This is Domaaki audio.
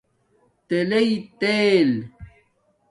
تلئئ تیل